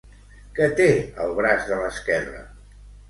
Què té al braç de l'esquerra?